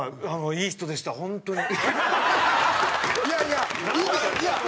いい人でした本当に。